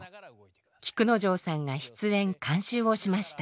菊之丞さんが出演・監修をしました。